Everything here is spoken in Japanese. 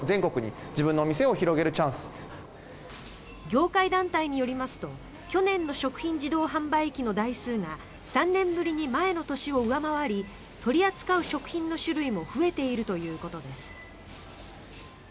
業界団体によりますと去年の食品自動販売機の台数が３年ぶりに前の年を上回り取り扱う食品の種類も増えているということです。